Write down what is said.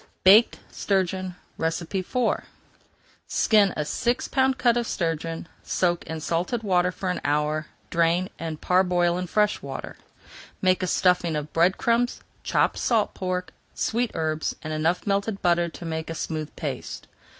BAKED STURGEON IV Skin a six pound cut of sturgeon, soak in salted water for an hour, drain, and parboil in fresh water. Make a stuffing of bread crumbs, chopped salt pork, sweet herbs, and enough melted butter to make a smooth paste.